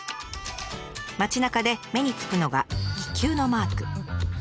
街なかで目につくのが気球のマーク。